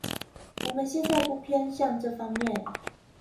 我們現在並不偏向這方面